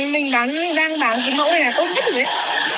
mình đang bán cái mẫu này là có ích vậy